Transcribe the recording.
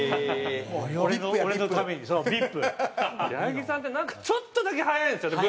矢作さんってちょっとだけ早いんですよね